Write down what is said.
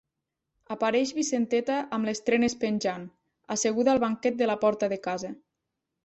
Apareix Vicenteta amb les trenes penjant, asseguda al banquet de la porta de casa.